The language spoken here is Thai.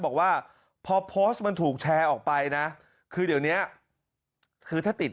บอกว่าพอโพสต์มันถูกแชร์ออกไปนะคือเดี๋ยวเนี้ยคือถ้าติด